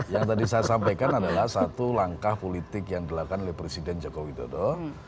yang tadi saya sampaikan adalah satu langkah politik yang dilakukan oleh presiden joko widodo